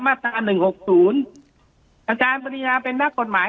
ตราอันหนึ่งหกศูนย์อาจารย์ปริญญาเป็นนักกฎหมาย